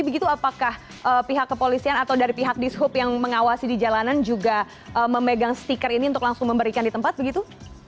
begitu apakah pihak kepolisian atau dari pihak dishub yang mengawasi di jalanan juga memegang stiker ini untuk langsung memberikan di tempat begitu